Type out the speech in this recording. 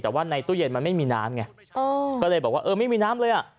แต่ว่าในตู้เย็นมันไม่มีน้ำไงก็เลยบอกว่าเออไม่มีน้ำเลยอ่ะ